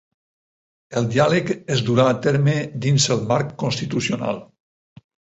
El diàleg es durà a terme dins el marc constitucional